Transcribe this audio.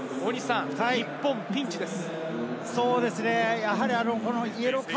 日本、ピンチです。